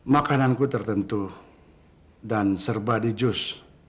makananku tertentu dan serba di jus